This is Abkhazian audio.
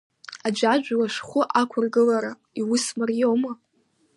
Аӡәаӡәала шәхәы ақәыргылара иус мариоума.